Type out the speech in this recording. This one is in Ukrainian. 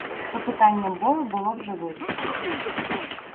Та питання бою було вже вирішене.